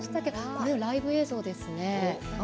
これはライブ映像ですね。